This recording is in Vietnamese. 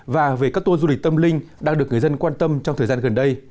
và về các tour du lịch tâm linh đang được người dân quan tâm trong thời gian gần đây